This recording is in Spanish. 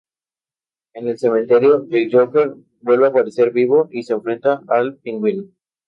En el cementerio, el Joker vuelve a aparecer vivo y se enfrenta al Pingüino.